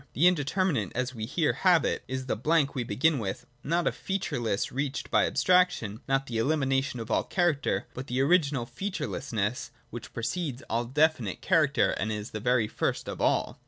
The indeterminate, as we here have it, is the blank we begin with, not a featurelessness reached by abstraction, not the ehmination of all character, but the original featurelessness ■which precedes all definite character and is the very first of all.